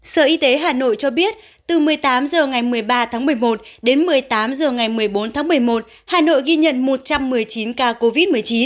sở y tế hà nội cho biết từ một mươi tám h ngày một mươi ba tháng một mươi một đến một mươi tám h ngày một mươi bốn tháng một mươi một hà nội ghi nhận một trăm một mươi chín ca covid một mươi chín